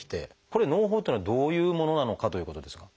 これのう胞っていうのはどういうものなのかということですが。